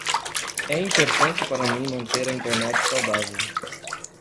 É importante para mim manter a Internet saudável.